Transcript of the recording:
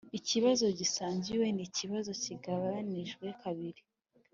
ikibazo gisangiwe nikibazo kigabanijwe kabiri